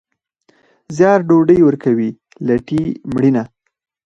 زیار ډوډۍ ورکوي، لټي مړینه.